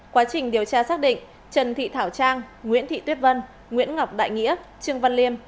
quá trình điều tra xác định trần thị thảo trang nguyễn thị tuyết vân nguyễn ngọc đại nghĩa trương văn liêm